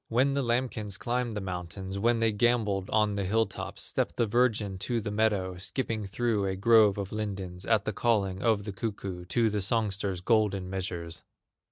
When the lambkins climbed the mountains, When they gamboled on the hill tops, Stepped the virgin to the meadow, Skipping through a grove of lindens, At the calling of the cuckoo, To the songster's golden measures.